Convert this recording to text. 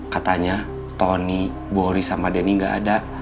katanya tony bori sama denny nggak ada